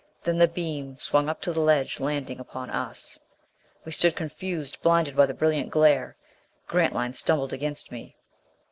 Then the beam swung up to the ledge, landing upon us. We stood confused, blinded by the brilliant glare. Grantline stumbled against me.